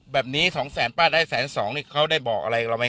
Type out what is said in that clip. แบบนี้๒แสนป้าได้แสนสองนี่เขาได้บอกอะไรกับเราไหม